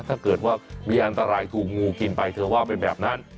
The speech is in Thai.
ถ้าเกิดว่ามีอันตรายถูกงูกินไปเธอว่าเป็นแบบนั้น